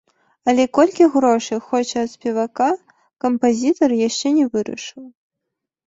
Але колькі грошай хоча ад спевака, кампазітар яшчэ не вырашыў.